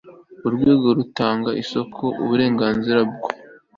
urwego rutanga isoko uburenganzira bwo